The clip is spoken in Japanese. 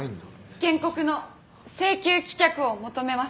原告の請求棄却を求めます。